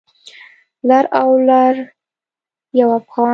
لر او لر یو افغان